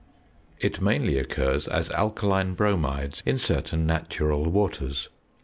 It mainly occurs as alkaline bromides in certain natural waters.